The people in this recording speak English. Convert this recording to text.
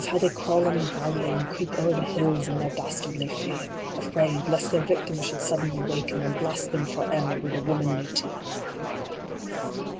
How they crawl in the valley, And creep o er the hills, in their dastardly fear ! Afraid, lest their victim should suddenly waken And blast them for e er with a womanly tear